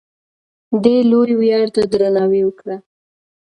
دې لوی ویاړ ته درناوی وکړه.